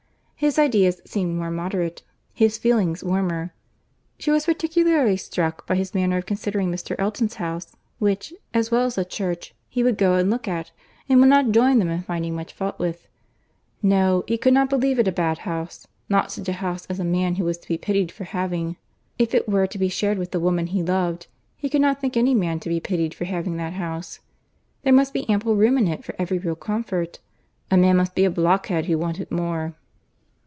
His ideas seemed more moderate—his feelings warmer. She was particularly struck by his manner of considering Mr. Elton's house, which, as well as the church, he would go and look at, and would not join them in finding much fault with. No, he could not believe it a bad house; not such a house as a man was to be pitied for having. If it were to be shared with the woman he loved, he could not think any man to be pitied for having that house. There must be ample room in it for every real comfort. The man must be a blockhead who wanted more.